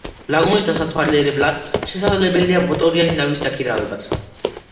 ლაგუნის დასათვალიერებლად შესაძლებელია მოტორიანი ნავის დაქირავებაც.